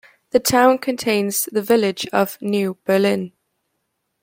The town contains the village of New Berlin.